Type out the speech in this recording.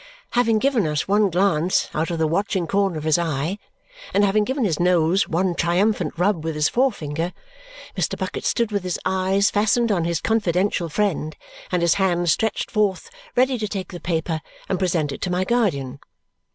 Having given us one glance out of the watching corner of his eye, and having given his nose one triumphant rub with his forefinger, Mr. Bucket stood with his eyes fastened on his confidential friend and his hand stretched forth ready to take the paper and present it to my guardian.